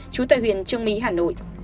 chú tại huyện trương mỹ hà nội